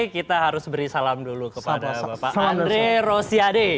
kita harus beri salam dulu kepada bapak andre rosiade